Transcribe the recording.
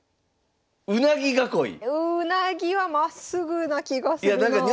うなぎはまっすぐな気がするなあ。